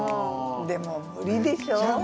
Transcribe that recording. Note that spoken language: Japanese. でも無理でしょ？